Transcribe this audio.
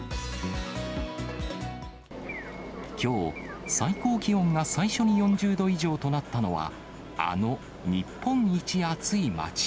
きょう、最高気温が最初に４０度以上となったのは、あの日本一暑いまち。